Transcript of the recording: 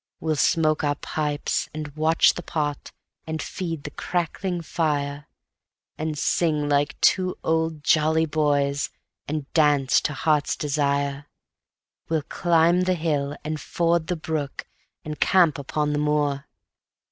We'll smoke our pipes and watch the pot, and feed the crackling fire, And sing like two old jolly boys, and dance to heart's desire; We'll climb the hill and ford the brook and camp upon the moor